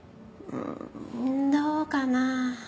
うんどうかな。